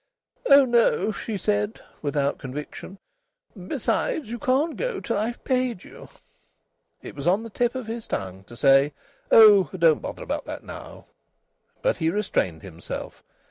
"Oh no!" she said, without conviction. "Besides, you can't go till I've paid you." It was on the tip of his tongue to say, "Oh! don't bother about that now!" But he restrained himself.